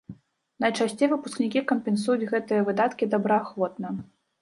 Найчасцей выпускнікі кампенсуюць гэтыя выдаткі добраахвотна.